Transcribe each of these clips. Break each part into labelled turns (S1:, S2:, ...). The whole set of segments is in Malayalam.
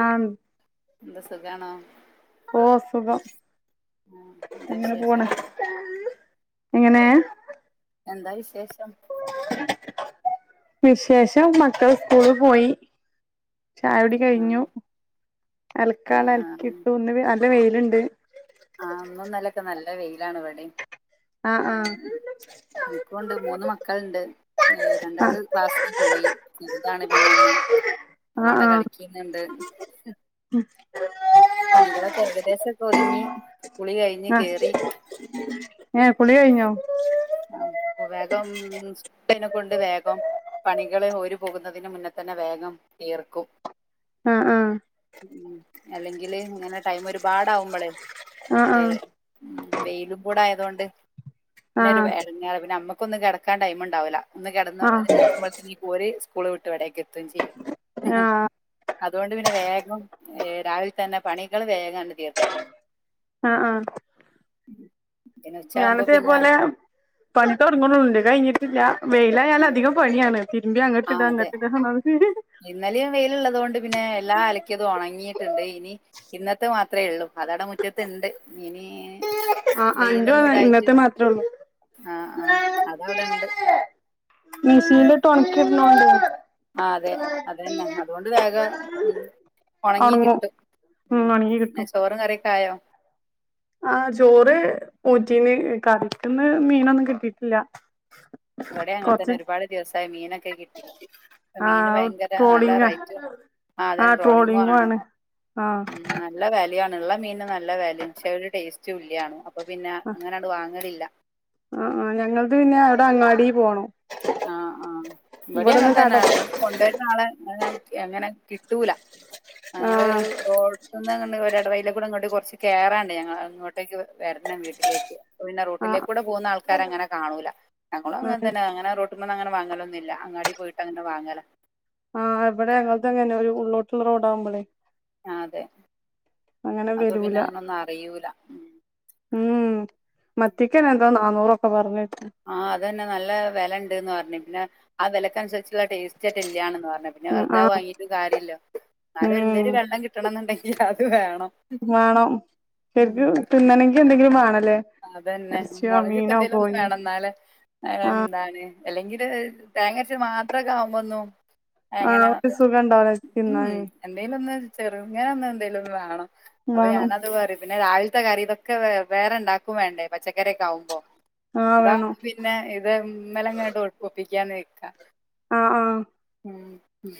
S1: ആം
S2: എന്താ സുഖാണോ
S1: ഓ സുഗം
S2: ആഹ്, എന്താ വിശേഷം
S1: പോണ്. എങ്ങനെ?
S2: എന്താ വിശേഷം?
S1: വിശേഷം. മക്കെള് സ്കൂളി പോയി. ചായകുടി കഴിഞ്ഞു.
S2: ആഹ്
S1: അലക്കാനൊള്ള
S2: ആഹ് ആഹ്
S1: അലക്കിട്ടു പോന്നു. നല്ല വെയിലുണ്ട്.
S2: ആഹ്, ഇന്നും ഇന്നെലെക്കെ നല്ല വെയിലാണ്. ഇവെടെയും
S1: ആഹ് ആഹ്
S2: എനിക്കൊണ്ട് മൂന്ന് മക്കെളിണ്ട്. ഏ രണ്ടാള്
S1: ആഹ്
S2: ക്ലാസില് പോയി. എന്താണ് പിന്നെ ഒന്ന്. നമ്മളവിടെ കളിക്കുന്നുണ്ട്
S1: ഉം
S2: പണികളൊക്കെ ഏകദേശൊക്കെ ഒതുങ്ങി പുളി കഴിഞ്ഞ് കയറി
S1: ഏഹ് കുളി കൈഞ്ഞോ
S2: ആഹ് വേഗംനെ കൊണ്ട് വേഗം പണികളെ ഓര് പോകുന്നതിന് മുന്നേ തന്നെ വേഗം തീർക്കും
S1: ആഹ് ആഹ്
S2: ഉം അല്ലെങ്കില് ഇങ്ങനെ ടൈമ ഒരുപാട ആവുമ്പോളേ
S1: ആഹ്
S2: ഏഹ് ഉം വെയിലും കൂട ആയതോണ്ട് പിന്നെ ഒരു
S1: ആഹ്
S2: ഇടങ്ങറ പിന്നെ നമ്മുക്കൊന്ന കിടക്കാൻ ടൈം ഉണ്ടാവില്ല ഒന്ന്
S1: ആഹ് ആഹ്
S2: കിടന്ന്ക്ക് പോഴത്ത ഒരു സ്കൂള് വിട്ടു വിടെക്ക എത്തും ചെയ്യും
S1: ആഹ്
S2: അതുകൊണ്ട് പിന്നെ വേഗം രാവിലെ തന്നെ പണികൾ വേഗണ്ട് തീർക്കും
S1: ആഹ് ആഹ്
S2: പിന്നെ ഉച്ചയാകുമ്പോ
S1: ഞാനതേ
S2: പിന്നെ ആ-
S1: പോലെ പണി തുടങ്ങണണ്ട് കഴിഞ്ഞിട്ട് ഞ വെയിലായാൽ അധികം പണിയാണ് ഇന്ത്യ അങ്ങോട്ട്ല്ല എന്നിട്ട് [unintelligible]
S2: ഇന്നലും വെയിലള്ളതു കൊണ്ട് പിന്നെ എല്ലാ അലക്ക്യതും ഉണങ്ങിയിട്ടുണ്ട് ഇനി ഇന്നത്തെ മാത്രമേ ഉള്ളൂ അതട മുറ്റത്തണ്ട് ഇനി
S1: ആഹ് അതിന്റെ
S2: വെയിലൊന്നും ഇതായിട്ട്
S1: ഇന്നത്തെ മാത്രേള്ളൂ
S2: ആ ആ അതവിടെ ഉണ്ട്
S1: മെഷിനിൽറ്റ് ടൊണക്കിടുന്നോണ്ട
S2: ആഹ് അതെ അതന്നെ അതുകൊണ്ട് വേഗം ഉണങ്ങി
S1: ഒണങ്ങും
S2: കിട്ടും ഉം
S1: ഒണങ്ങി
S2: എന്ന
S1: കിട്ടും
S2: ചോറും കറിക്കായോ
S1: ആഹ് ചോറ് ഓറ്റീന്ന് കറിക്കന്ന് മീനൊന്നും കിട്ടിട്ടില്ല
S2: ഇവിടെ ങ്ങനെ തന്നെ ഒരുപാട് ദിവസമായ മീനൊക്കെ കിട്ടിയിട്ട് ഇപ്പ മീന്
S1: ആഹ്
S2: ഭയങ്കര നല്ല
S1: ട്രോളിങ്ങാ
S2: റൈറ്റും ആതന്
S1: ആഹ്
S2: ട്രോളിങ്ങും
S1: ട്രോളിങ്ങു
S2: ആണ് ഉം
S1: ആഹ്
S2: നല്ല വാലിയ ആണ് ഉള്ള മീന നല്ല വാലി പക്ഷെ അവര് ടേസ്റ്റ് ഇല് ആണ് അപ്പൊ പിന്നെ അങ്ങനണ്ട് വാങ്ങലില്ല
S1: ആഹ് ആഹ് ഞങ്ങത് പിന്നെ അവിടെ അങ്ങാടി പോണം
S2: ആഹ് ആഹ് ഇവിടി
S1: ഇവിടെന്ന്
S2: അങ്ങനെ
S1: കട
S2: തന്നെ ങ്ങൾ കൊണ്ടുവരുന്ന ആളെ എങ്ങനെ കിട്ടൂല
S1: ആ
S2: ഞങ്ങൾ റോഡ ഒന്നും അങ്ങ ഒര് ഇടവയില കൂടെ ഇങ്ങോട്ട് കുറച്ച് കേറാണ്ട് ഞങ്ങൾ അങ്ങോട്ടേക്ക് വരണം വീട്ടിലേക്ക് പിന്നെ
S1: ആ
S2: റോട്ടിലേകൂടെ പോകുന്ന ആൾക്കാര അങ്ങനെ കാണൂല ഞങ്ങളും
S1: ആ
S2: അങ്ങൻ തന്നെ അങ്ങനെ റോട്ടിമന്ന് അങ്ങനെ വാങ്ങലൊന്നുമില്ല അങ്ങാടി പോയിട്ട് അങ്ങനെ വാങ്ങലാ
S1: ആഹ് ഇവിടെ ഞങ്ങൾതും അങ്ങനെ ഒരു ഉള്ളോട്ടുള്ള റോഡ ആകുമ്പോളേ
S2: അതെ
S1: അങ്ങനെ
S2: അപ്പൊ പിന്നെ
S1: വരൂല
S2: അങ്ങനെ ഒന്നും അറിയൂല
S1: ഉം മത്തിക്കന്നെ എന്തോ നാന്നൂറ ഒക്കെ പറഞ്ഞട്ടീണി
S2: ആഹ് അതന്നെ നല്ല വെലണ്ട്ന്ന് പർഞ്ഞു പിന്നെ ആ വിലക്ക അനുസരിച്ചുള്ള ടേസ്റ്ററ്റെ ഇല്യാണന്ന് പറഞ്ഞ പിന്നെ
S1: ആ
S2: വെറുത വാങ്ങീയിട്ട് കാര്യല്ല എന്നാലും
S1: ഉം
S2: എന്തേരു വെള്ളം കിട്ടണന്നുണ്ടെങ്കിൽ അത് വേണം
S1: വേണം
S2: ഉം
S1: ശരിക്കും തിന്നണെങ്കിൽ എന്തെങ്കിലും വേണല്ലേ
S2: അതന്നെ
S1: ഇറച്ചിയോ
S2: മുളകിട്ട
S1: മീനോ
S2: എന്തേലും ഒന്നും
S1: കോഴിയോ
S2: വേണം എന്നലെ അ
S1: ആ
S2: എന്താണ് അല്ലെങ്കില് തേങ്ങരച്ച മാത്രക്കാവുമ്പൊന്നു
S1: ആഹ് ഒരു സുഖണ്ടാവുല
S2: ഉം
S1: തിന്നാനേ
S2: എന്തേലും ഒന്ന് ചെറുങ്ങനെൊന്ന് എന്തേലും ഒന്ന് വേണം അപ്പൊ
S1: വേണം
S2: ഞാനത് പറയും പിന്നെ രാവിൽ ത്തെ കറി ഇതൊക്കെ വെവ്വേറെണ്ടാക്കും വേണ്ടേ പച്ചക്കറിയൊക്കെ ആവുമ്പോ
S1: ആ വേണം
S2: ഇതാകുമ്പ പിന്നെ ഇതിമ്മലങ്ങട്ട് ഒപ്പിക്കാന്ന് വക്ക
S1: ആഹ് ആഹ്
S2: ഉം ഉ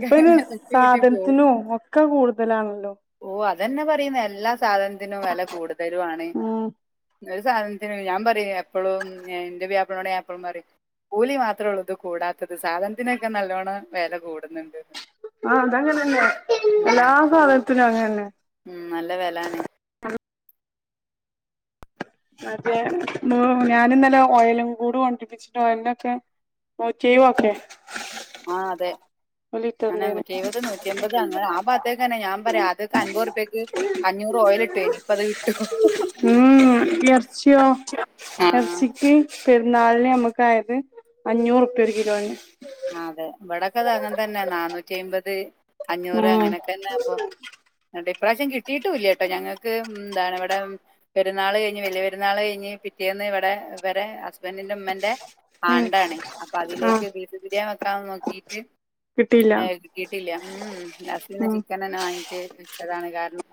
S1: ഇപ്പ ആയ്ന് സാധനത്തിനോ ഒക്കെ കൂടുതലാണല്ലോ
S2: ഓ അതന്നെ പറയുന്ന എല്ലാ സാധനത്തിനും വില കൂടുതലും ആണ്
S1: ഉം
S2: ഇന്നൊരു സാധനത്തിന് ഞാൻ പറയും എപ്പൊളും എന്റെ പിയാപ്ലനോടെ ഞാൻ എപ്പളും പറയും കൂലി മാത്രേ ഉള്ളൂ ഇത് കൂടാത്തത് സാധനത്തിനൊക്കെ നല്ലോണ്ണം വെല കൂടുന്നുണ്ട്
S1: ആഹ് അതങ്ങനന്നെ
S2: ഉം
S1: എല്ലാ സാധൻത്തിനും അങ്ങനന്നെ
S2: ഉം നല്ല വിലാണ്
S1: അതെ ഞാൻ ഇന്നല്ലെ ഓയിലും കൂടി കൊണ്ട്രിപ്പിച്ചിട്ട് ഓയിലിനൊക്കെ നൂറ്റി എഴുപത് ഒക്കെ
S2: ആഹ് അതെ അന്നെ നൂറ്റിഎഴുപത് നൂറ്റിഎൻപത് അങ്ങനെ ആ ഭാത്തേക്കന്നെ ഞാൻ പറയ ആദ്യക്കെ അൻപർപ്യക്ക് അഞ്ഞൂറ് ഓയിൽ കിട്ടുവേനി ഇപ്പ അത് കിട്ടോ
S1: എർച്ചിയോ എർച്ചി പെരുന്നാളിന് നമ്മുക്കായത് അഞ്ഞൂറ് ഉറുപ്യ ഒരു കിലോന്
S2: അതെ ഇവിടക്കെത് അങ്ങനെ തന്നെ നാന്നൂറ്റി അമ്പത് അഞ്ഞൂറ്
S1: ഉം
S2: അങ്ങനെയൊക്കെന്നെ അപ്പൊ ഇങ്ങട്ട് ഇപ്രാവശ്യം കിട്ടിട്ടൂല്ലട്ടോ ഞങ്ങക്ക് എന്താണ് ഇവിടെ പെരുന്നാള് കഴിഞ്ഞ് വലിയ പെരുന്നാള് കഴിഞ്ഞ് പിറ്റേന്ന് ഇവിടെ ഇവരെ ഹസ് ബന്റിന്റെ ഉമ്മന്റെ
S1: ഉം
S2: ആണ്ടാണ് അപ്പൊ
S1: ആഹ്
S2: അതിലേക്ക് ബീഫ് ബിരിയാണി വെക്കാൻ നോക്കീട്ട്
S1: കിട്ടിയില്ല
S2: കിട്ടീട്ടില്ല ഉം ലാസ്റ്റ് പിന്നെ
S1: ഉം
S2: ചിക്കൻ ചിക്കനന്നെ വാങ്ങിട്ട് വെച്ചതാണ് കാരണം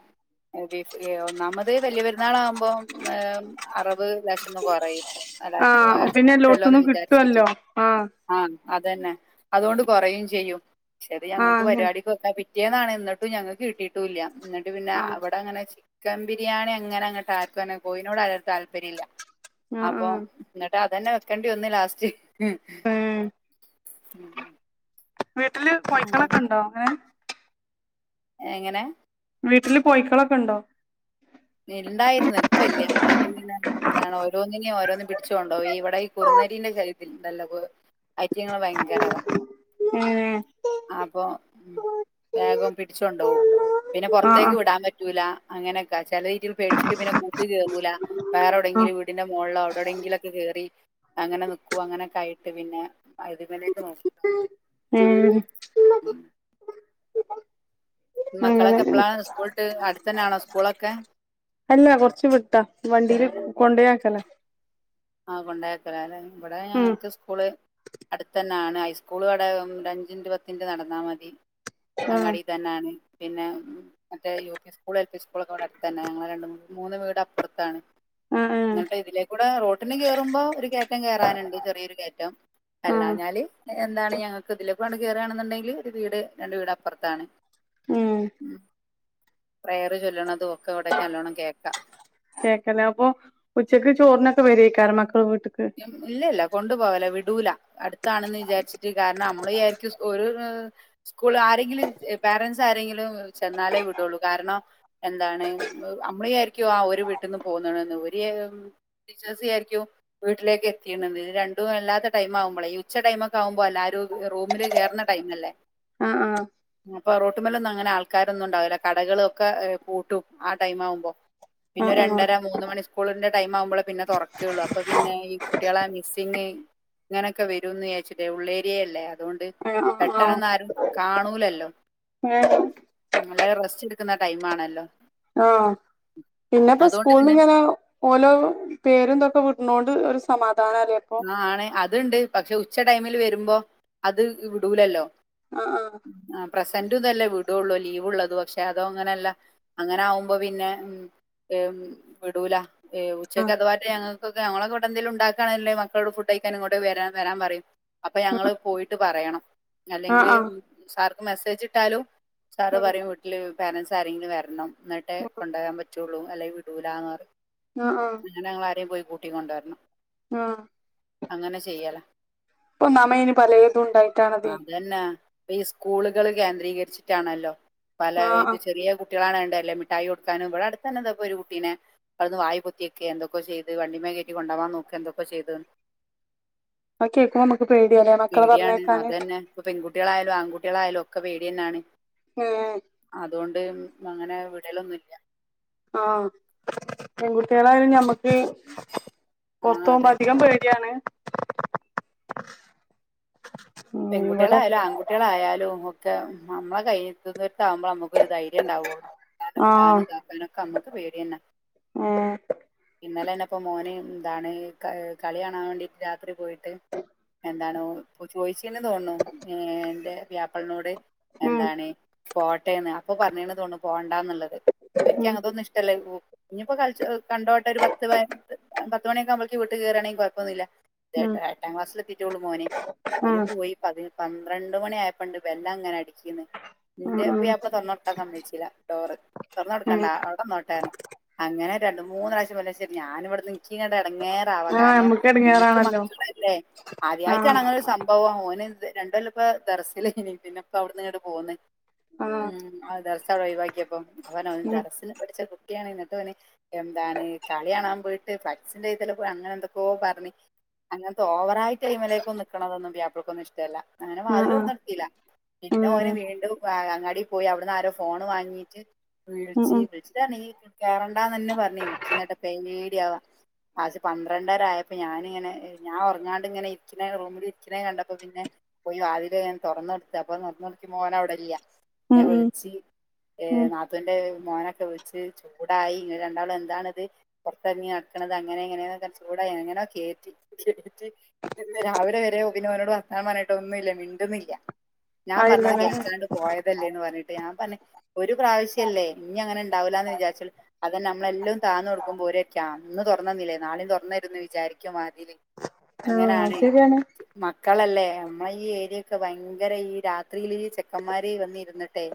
S2: ബീഫ് ഏ ഒന്നാമത് വലിയ പെരുന്നാൾ ആകുമ്പോം ഏഹ് അറവ് ലേശന്ന് കുറയും എല്ലാവർക്കും
S1: ആഹ് പിന്നെ
S2: ഇറക്കല്ലോ എന്ന്
S1: എല്ലോട്ത്തുന്നും
S2: വിചാരിച്ചിട്ട്
S1: കിട്ടുല്ലോ ആഹ്
S2: ആഹ് അതന്നെ അതുകൊണ്ട് കുറയും ചെയ്യും പക്ഷത്
S1: ആഹ്
S2: ഞങ്ങൾക്ക്
S1: അങ്ങനെ
S2: പരിപാടിക്ക് പിറ്റേന്നാണ് എന്നിട്ടും ഞങ്ങക്ക് കിട്ടിയിട്ടുല്ല എന്നിട്ട് പിന്നെ
S1: ആഹ്
S2: അവിടെ അങ്ങനെ ചിക്കൻ ബിരിയാണി അങ്ങനെ അങ്ങട്ട് ആർക്കും തന്നെ കോയിനോട് ആർക്കും താല്പര്യം ഇല്ല
S1: ആഹ്
S2: അപ്പൊ
S1: ആഹ്
S2: എന്നിട്ട് അതന്നെ വെക്കണ്ടി വന്ന് ലാസ്റ്റ്
S1: ഉം വീട്ടില്
S2: അങ്ങനെ
S1: കോഴിക്കളൊക്കെണ്ടോ അങ്ങനെ
S2: എങ്ങനെ
S1: വീട്ടില് കോഴിക്കളൊക്കെണ്ടോ
S2: ഇണ്ടായിരുന്നു ഇപ്പല്ല്യാ അങ്ങിനെ എന്താണോ ഓരോന്നിനിം ഓരോന്നും പിടിച്ച് കൊണ്ടോയി ഇവടെ ഈ കുറുനരിന്റെ [unintelligible] ഇണ്ടല്ലോ കു ഐറ്റിങ്ങള് ഭയ് ങ്കരതാ
S1: ഏഹ്
S2: അപ്പൊ ഉം വേഗം പിടിച്ചൊണ്ടോവും പിന്നെ
S1: ആഹ്
S2: പൊറത്തേക്ക്
S1: ആഹ്
S2: വിടാൻ പറ്റൂല അങ്ങനെക്കെ ചെല രീതിയിൽ പേട്ച്ചിട്ട് പിന്നെ കൂട്ട് കേറൂലാ വേറെ
S1: ആഹ്
S2: ഏവ്ടെങ്കിലും വീട്ന്റെ മോള്ലോ അവടെ എവ്ടെങ്കിലൊക്കെ കേറി അങ്ങനെ നിക്കും അങ്ങനെക്കെ ആയിട്ട് പിന്നെ [unintelligible] നോക്കിയിട്ടോ
S1: ഏഹ് അങ്ങനെ
S2: മക്കളെക്കെ എപ്പളാണ് സ്കൂള്ട്ട് അടുത്തന്നാണോ സ്കൂളൊക്കെ
S1: അല്ല കൊറച്ച് വിട്ടാ വണ്ടീല് കൊണ്ടേയാക്കലാ
S2: ആഹ് കൊണ്ടേയാക്കല്ലാല്ലേ ഇവടെ
S1: ഉം
S2: ഞങ്ങള്ക്ക് സ്കൂള് അട്ത്തന്നാണ് ഹൈസ്ക്കൂള് ഇവടെ ഉം ഒരഞ്ച് മിനിറ്റ് പത്ത് മിനിറ്റ് നടന്നാ മതി
S1: ആഹ്
S2: അങ്ങാടി തന്നാണ് പിന്നെ ഉം മറ്റേ U P school L P സ്കൂളെക്കെ ഇവടെ അട്ത്തന്നെ ഞങ്ങളെ രണ്ട് മൂ മൂന്ന് വീട് അപ്പറ്ത്താണ്
S1: ആഹ് ആഹ്
S2: ഇന്നിട്ട് ഇതിലേക്കൂടെ റോട്ടിന് കേറുമ്പോ ഒരു കേറ്റം കേറാന്ണ്ട് ചെറിയൊരു കേറ്റം
S1: ആഹ്
S2: അല്ലാഞ്ഞാല് ഏഹ് എന്താണ് ഞങ്ങൾക്ക് ഇതിലേപ്പാട് കേറാണ്ന്നുണ്ടെങ്കി ഒരു വീട് രണ്ട് വീട് അപ്പറ്ത്താണ് ഉം പ്രയർ ചൊല്ലണതും ഒക്കെ ഇവടേക്ക് നല്ലോണം കേൾക്കാ
S1: കേൾക്കാല്ലേ അപ്പൊ ഉച്ചക്ക് ചോറിനൊക്കെ വരേക്കാരം മക്കള് വീട്ട്ക്ക്
S2: ഇല്ലല്ലാ കൊണ്ടു പോവലാ വിടൂല അട്ത്താണെന്ന് വിചാരിച്ചിട്ട് കാരണം അമ്മള് വിയാരിക്കും സ് ഒരു സ്കൂള് ആരെങ്കിലും ഏഹ് പേരൻ്റ്സ് ആരെങ്കിലും ചെന്നാലേ വിടോള്ളു കാരണം എന്താണ് അമ്മള വിയാരിക്കും ആഹ് ഓര് വീട്ട്ന്ന് പോന്ന്ണ്ന്ന് ഇവര് വിയാ ഉം ടീച്ചേഴ്സ് വിയാരിക്ക്യും വീട്ട്ലേക്ക് എത്തീണ്ന്ന് ഇത് രണ്ടും അല്ലാത്ത ടൈമാവുമ്പളെ ഈ ഉച്ച ടൈമൊക്കെ ആവുമ്പോ അല്ലാരും ഏഹ് റൂമില് കേറ്ണ ടൈമല്ലെ
S1: ആഹ് ആഹ്
S2: അപ്പൊ റോട്ട്മ്മലൊന്നും അങ്ങനെ ആൾക്കാരൊന്നും ഉണ്ടാവൂല കടകളൊ ക്കെ ഏഹ് പൂട്ടും ആ ടൈമാവുമ്പോ പിന്നെ
S1: ആഹ് ആഹ്
S2: രണ്ടര മൂന്ന് മണി സ്കൂള്ന്റെ ടൈമാവുമ്പളെ പിന്നെ തൊറക്കേള്ളു അപ്പം പിന്നെ ഈ കുട്ടിയളെ മിസ്സിങ് ഇങ്ങനെക്കെ വെരുംന്ന് വിയാര്ച്ചിട്ടേ ഉള്ളേരിയെല്ലേ അതുകൊണ്ട്
S1: ആഹ് ആഹ്
S2: പെട്ടണന്നാരും കാണൂല്ലല്ലോ
S1: ആഹ്
S2: ഉം എല്ലാരും റെസ്റ്റെട്ക്ക്ന്ന ടൈമാണല്ലോ
S1: ആഹ് പിന്നെപ്പോ
S2: അതുകൊണ്ട്
S1: സ്കൂള്ന്ന്
S2: പിന്നെ
S1: ഇങ്ങനെ ഓലോ പേരും ഇതൊക്കെ വിട്നോണ്ട് ഒരു സമാധാനാല്ലേ ഇപ്പൊ
S2: ആഹ് ആണ് അത്ണ്ട് പക്ഷേ ഉച്ച ടൈമില് വെരുമ്പോ അത് വിടൂല്ലല്ലോ
S1: ആഹ് ആഹ്
S2: ആഹ് പ്രസന്റ് ഇതല്ലേ വിടോള്ളു ലീവ്ള്ളതും പക്ഷേ അതോ അങ്ങനെയല്ലാ അങ്ങനെ ആവുമ്പോ പിന്നെ ഉം ഏഹ് ഉം വിടൂല ഏഹ് ഉച്ചൊക്കെ
S1: ആഹ്
S2: അഥവാറ്റേ ഞങ്ങൾക്കൊക്കെ ഞങ്ങളെക്കെ ഇവടെ എന്തേലും ഇണ്ടാക്കാണേല്ലേ മ ക്കളോട് ഫുഡ് കഴിക്കാൻ ഇങ്ങോട്ട് വെരാ വെരാൻ പറിം അപ്പൊ ഞങ്ങള് പോയിട്ട് പറയണം
S1: ആഹ്
S2: അല്ലെങ്കില്
S1: ആഹ്
S2: ഉം സാർക്ക് മെസ്സേജ് ഇട്ടാലും സാറ്
S1: ആ
S2: പറിം വീട്ടില് പേരൻസ് ആരെങ്കിലും വെര്ണം ഇന്നിട്ടേ കൊണ്ടോകാൻ പറ്റോള്ളു അല്ലെങ്കി വിടൂലാന്ന് പറിം
S1: ആഹ് ആഹ്
S2: ഇന്ന്ട്ട് ഞങ്ങളാരേം പോയി കൂട്ടിക്കൊണ്ടോര്ണം
S1: ആ
S2: അങ്ങനെ ചെയ്യാലെ
S1: ഇപ്പം മാമയിന് പലേതുമുണ്ടായിട്ടാണതിന്
S2: തന്നാ ഇപ്പം ഈ സ്കൂളുകള് കേന്ദ്രീകരിച്ചിട്ടാണല്ലോ പല
S1: ആ ആ
S2: ഇത് ചെറിയകു കുട്ടികളാണുണ്ടല്ലേ മിഠായി കൊടുക്കാനും ഇവിടെ അടുത്തന്നെ ദാ ഇപ്പം ഒരു കുട്ടിനെ അവിടുന്ന് വായ പൊത്തിയൊക്കെ എന്തൊക്കൊ ചെയ്ത് വണ്ടിമേ കേറ്റി കൊണ്ടാവാൻ നോക്കി എന്തൊക്കെ ചെയ്ത്
S1: ആ കേക്കുമ്പോ നമുക്ക് പേടിയാല്ലേ മക്കളെ
S2: പേടിയാണ്
S1: പറഞ്ഞഴക്കാന്
S2: അതന്നെ ഇപ്പൊ പെൺകുട്ടികളായാലും ആൺകുട്ടികളായാലും ഒക്കെ പേടിതന്നാണ്
S1: ഏ
S2: അ അതുകൊണ്ട് അങ്ങനെ വിടലൊന്നും ഇല്ല
S1: ആ പെൺകുട്ടികളായാലും ഞമ്മക്ക്
S2: ആ
S1: പൊറത്തുപോകുമ്പോ
S2: അതെ
S1: അധികം പേടിയാണ് ഉം ഇവിടെ
S2: പെൺകുട്ടികളായാലും ആൺകുട്ട് കുട്ടികളായാലും നമുക്ക് നമ്മളെ കയ്യെത്തുംദൂരത്ത് ആകുമ്പോള് നമുക്കൊരു ധൈര്യം ഉണ്ടാവുള്ളൂ അതു
S1: ആ
S2: വിടാനും താക്കാനൊക്കെ അമ്മക്ക് പേടിയന്നെ
S1: ഏ
S2: ഇന്നലന്നെ ഇപ്പൊമോന് ഇതാണ് ക കളികാണാൻ വേണ്ടി രാത്രിപോയിട്ട് എന്താണോ ചോദിച്ചെന്ന് തോന്നണു ഏ എന്റെ വ്യാപ്പള്നോട്
S1: ഉം
S2: എന്താണ് പോട്ടേന്ന് അപ്പൊ പറഞ്ഞേണ്തോന്നണു പോവണ്ടാന്നുള്ളത് ഏക്ക് അങ്ങനെതൊന്നും ഇഷ്ടല്ലാ ഇനിയിപ്പോ കളിച്ച് കണ്ടോട്ടെ ഒരു പത്ത് പതിനൊ പത്ത് മണിയൊക്കെയാകുമ്പോളേക്ക് വീട്ടീകയറാണെങ്കി കൊഴപ്പൊന്നൂല്ലാ ഇത്
S1: ഉം ഉം
S2: ട്ടാ എട്ടാം ക്ലാസിലെത്തിട്ടെയൊള്ളു മോന്
S1: ആ ആ
S2: ഇന്പോയി പതി പന്ത്രണ്ടുമണിയായപ്പണ്ട് ബെല്ലങ്ങനെ അടിക്കണ് എന്റെ പുയ്യാപ്ല തൊറന്നുകൊടുക്കാൻ സമ്മതിച്ചില്ല ഡോറ് തൊറന്നുകൊടുക്കണ്ട
S1: ആ
S2: അവിടെ നിന്നോട്ടേന്ന് അങ്ങനെ രണ്ടു മൂന്നാഴ്ച പലശ്യം ഞാനിവിടെന്ന് എനിക്കിങ്ങട് എടങ്ങേറാവാ
S1: ആ
S2: കാരണം
S1: നമ്മക്ക്
S2: നമ്മക്ക്
S1: എടങ്ങേറാണല്ലോ
S2: മക്കളല്ലേ
S1: ആ
S2: ആദ്യമായിട്ടാണ് അങ്ങനെ ഒരു സം ഭവം ഓന് രണ്ടൊല്ലിപ്പോ ദറസില് ഇനി പിന്നെ ഇപ്പ അവിടെന്ന് ഇങ്ങോട്ടുപോന്ന്
S1: ആ
S2: ഉം അവ ദറസവിടെ ഒഴിവാക്കിയപ്പം അവൻ അവന്
S1: ഉം
S2: ദറസില് പഠിച്ചകു ട്ടിയാണ് എന്നിട്ടോന് എന്താണ് കളിയാണാൻ പോയിട്ട് ഫ്ളക്സിന്റെ ഇതില് പോയ് അങ്ങനെ എന്തൊക്കോയോ പറഞ്ഞ് അങ്ങനത്തെ ഓവറായി ടൈമിലേക്കൊന്ന് നിക്കണതൊന്നും പുയ്യാപ്ലയ്ക്കൊന്നും ഇഷ്ടല്ലാ അങ്ങനെ
S1: ആ ആ
S2: വാതിലുതൊറന്നു കൊടുക്കില്ലാ പിന്നെ
S1: ഉം
S2: ഓന് വീണ്ടും അങ്ങാടിപോയി അവിടന്ന് ആരോ ഫോണുവാങ്ങീറ്റ്
S1: ഉം
S2: വിളിച്ച്
S1: ഉം
S2: വിളിച്ച് ച്ച് നീ കേറണ്ടാന്നുതന്നെ പറഞ്ഞ് എനിക്കിന്നേട്ടാ പേടിയാവാ വാച്ച് പന്ത്രണ്ടരയായപ്പോ ഞാനിങ്ങനെ ഞാൻ ഒറങ്ങാണ്ടിങ്ങനെ ഇരിക്കണ റൂമില് ക്കനെ കണ്ടപ്പോപിന്നെ പോയി വാതിലു ഞാൻ തൊറന്നെടുത്ത് അപ്പൊ തൊറന്നെടുത്തപ്പൊ മോൻ അവിടെയില്ല
S1: ഉം
S2: പിന്നെ
S1: ഉം
S2: വിളി ച്ച് ഏ
S1: ഉം
S2: നാത്തൂന്റെ മോനൊക്കെ വിളിച്ച് ചൂടായി ഇങ്ങനെ രണ്ടാളും എന്താണിത് പൊറത്തെറങ്ങി നടക്കണത് അങ്ങനെ ഇങ്ങനെനൊക്കെ ചൂടായി എങ്ങനെയോ കേറ്റി ഇന്നു രാവിലെവരെ പിന്നെ ഓനോട് വർത്താനം പറഞ്ഞിട്ട് ഒന്നും ഇല്ല മിണ്ടുന്നില്ല ഞാൻ പറഞ്ഞത്
S1: ആയില്ലല്ലേ
S2: കേൾക്കാണ്ട് പോയ തല്ലേന്നുപറഞ്ഞിട്ട് ഞാൻ പറഞ്ഞ് ഒരു പ്രാവശ്യല്ലേ ഇനി അങ്ങനെ ഉണ്ടാവില്ലാന്ന് വിചാരിച്ചല് അതന്നെ നമ്മളെല്ലാം താന്നുകൊടുക്കുമ്പോ ഒരൊക്കെയാന്ന് ഇന്ന് തൊറന്നുതന്നിലേ നാളേം തൊറന്നുതരുന്നു വിചാരിക്കോം മാറ്റിയില്ലെങ്കി
S1: ആ അത്
S2: അങ്ങനാണ്
S1: ശരിയാണ്
S2: മക്കളല്ലേ നമ്മളെ ഈ ഏരിയൊക്കെ ഭയങ്കര ഈ രാത്രിയില് ചെക്കന്മാര് വന്നിരുന്നിട്ടെ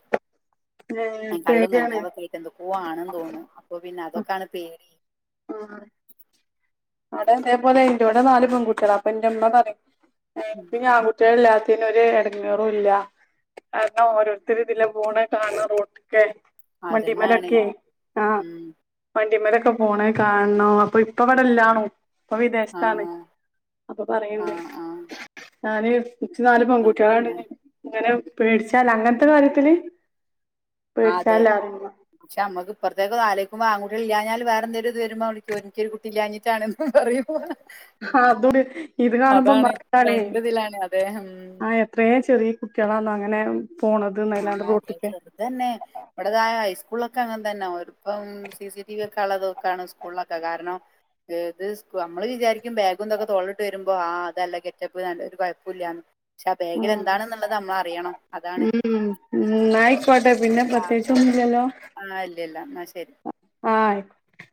S1: ഏ
S2: കള്ളും
S1: പേടിയാണ്
S2: കഞ്ചാവൊക്കെയായിട്ടെ എന്തൊ പോവാണെന്നു തോന്നണു അപ്പൊ പിന്നെ അതൊക്കെയാണ് പേടി
S1: ആ അവിടെ അതെപോലെ എന്റോടെ നാലുപെൺകുട്ടൊളാ അപ്പൊ എന്റെ അമ്മപറയും
S2: ഉം
S1: എനിക്കിനി ആൺകു ട്ടികളില്ലാത്തിൻറ്റെ ഒരു എടങ്ങേറും ഇല്ല കാരണം ഓരോരുത്തർ ഇതിലെ പോണ കാണണം റോട്ടിക്കെ
S2: അതന്നാണ്
S1: വണ്ടിമേലൊക്കെ ആ
S2: ഉം
S1: വണ്ടി മേലൊക്കെ പോണ കാണോ അപ്പൊ ഇപ്പൊ അവിടെ എല്ലാണോ ഇപ്പൊ വിദേശത്താണ്
S2: ആഹ്
S1: അപ്പൊ പറയണ്ട്
S2: ആഹ് ആഹ്
S1: ഞാന് ഇച്ച് നാല് പെൺകുട്ടികളാണ്
S2: അതന്നെ
S1: ഇങ്ങനെ പേടിച്ചാല അങ്ങനത്തെ കാര്യത്തില്
S2: അതെ
S1: പേടിച്ചാലാ
S2: പക്ഷെമമ്മക്ക് ഇപ്പറത്തേക്ക് ആലോചിക്കുമ്പ ആൺ കുട്ടികള് ഇല്ലാഞ്ഞ വേറെന്തെങ്കിലും ഇത് വരുമ്പോള ഒരിക്കും എനിക്ക്ഒരു കുട്ടി ഇല്ലാഞ്ഞിട്ടാണ് പറയും
S1: ആഹ് അതോടി ഇത് കാണുമ്പോ
S2: അതാണ്
S1: നമ്മക്കാണ്
S2: രണ്ടിതിലാണ് അതെ ഉം
S1: ആയോ ഇത്രയും ചെറിയ കുട്ടികളാണ് അങ്ങനെ പോണത്
S2: ആഹ്
S1: ന്നല്ലാണ്ട്
S2: അതെ
S1: റോട്ട്ക്ക്
S2: ചെറുത് തന്നെ ഇവിടേതായ ഹൈസ്കൂളിലൊക്കെ അങ്ങ തന്നെ ഒരുപ്പം സി സി ടിവി ഒക്കെ ഉള്ളതൊക്കെയാണ് സ്കൂളിലൊക്കെ കാരണം ഏത് നമ്മള് വിചാരിക്കും ബാഗുംന്തൊക്കെ തോള്ളിട്ട് വരുമ്പോ ആ അതല്ല കെറ്റപ്പ് നല്ല ഒരു കുഴപ്പ ഇല്ലന്ന് പക്ഷെ ആ ബേഗിൽ
S1: ഉം
S2: എന്താണെന്നുള്ളത് നമ്മള് അറിയണം അതാണ്
S1: ഉം എന്നായിക്കോട്ടെ പിന്നെ പ്രത്യേകിച്ച് ഒന്നും ഇല്ലല്ലോ
S2: ആഹ് ഇല്ലല്ല എന്ന ശരി
S1: ആയ്ക്കോട്ടെ